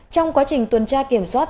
trong quá trình tuần tra kiểm soát